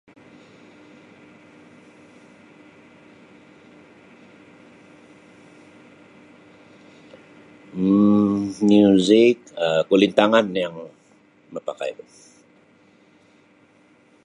Rupa awan yanan umiyan ti monongnya isa maru, aru musimnya mopotut, no moitom, aru musimnya maiyang. anu dah, kadang-kadang aru no musimnyo maniou.